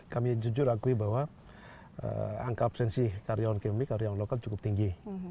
kami jujur akui bahwa angka absensi karyawan kami karyawan lokal cukup tinggi